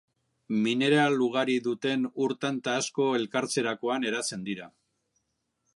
Mineral ugari duten ur tanta asko elkartzerakoan eratzen dira.